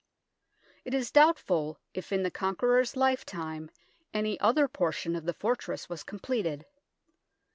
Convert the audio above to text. It is doubtful if in the Conqueror's lifetime any other portion of the fortress was com pleted.